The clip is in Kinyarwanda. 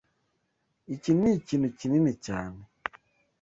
Iki nikintu kinini cyane.